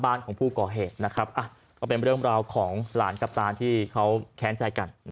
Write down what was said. บ้านของผู้ก่อเหตุนะครับก็เป็นเรื่องราวของหลานกับตาที่เขาแค้นใจกัน